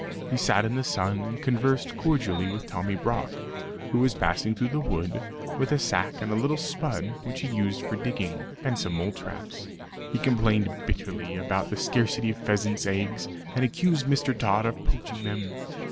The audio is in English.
He sat in the sun, and conversed cordially with Tommy Brock, who was passing through the wood with a sack and a little spud which he used for digging, and some mole traps. He complained bitterly about the scarcity of pheasants' eggs, and accused Mr. Tod of poaching them.